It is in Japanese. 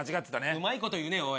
うまいこと言うねおい。